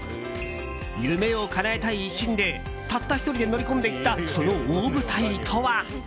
夢をかなえたい一心でたった１人で乗り込んできたその大舞台とは。